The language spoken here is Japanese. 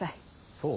そう？